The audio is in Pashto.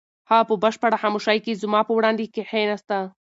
هغه په بشپړه خاموشۍ کې زما په وړاندې کښېناسته.